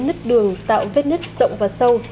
nứt đường tạo vết nứt rộng và sâu